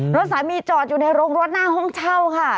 รถสามีจอดอยู่ในโรงรถหน้าห้องเช่าค่ะ